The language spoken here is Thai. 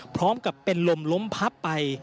พร้อมกับเป็นลมล้มพับไป